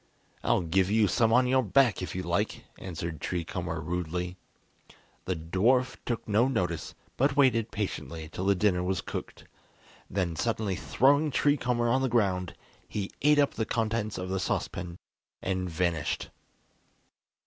"I'll give you some on your back, if you like," answered Tree Comber rudely. The dwarf took no notice, but waited patiently till the dinner was cooked, then suddenly throwing Tree Comber on the ground, he ate up the contents of the saucepan and vanished.